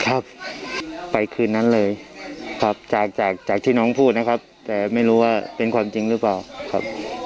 ครับไปคืนนั้นเลยครับจากจากที่น้องพูดนะครับแต่ไม่รู้ว่าเป็นความจริงหรือเปล่าครับ